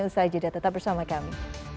usai jeda tetap bersama kami